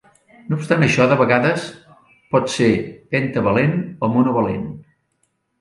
No obstant això, de vegades pot ser pentavalent o monovalent.